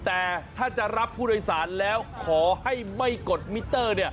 แต่ถ้าจะรับผู้โดยสารแล้วขอให้ไม่กดมิเตอร์